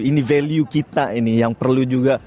ini value kita ini yang perlu juga